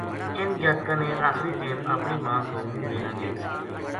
اِنھ جاتکاں نے آخری ٹیم اپنی ماں کو منہ بے نہ دیکھ سکیو